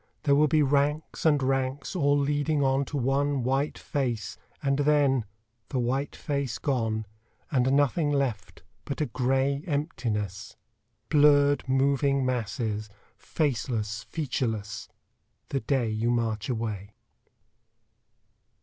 There will be ranks and ranks, all leading on To one white face, and then the white face gone, And nothing left but a gray emptiness Blurred moving masses, faceless, featureless The day you march away.